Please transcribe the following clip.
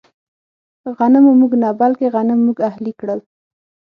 غنمو موږ نه، بلکې غنم موږ اهلي کړل.